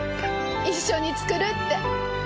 一緒に作るって。